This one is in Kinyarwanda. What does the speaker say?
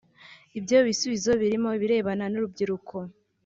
Ibyo bisubizo birimo ibirebana n’urubyiruko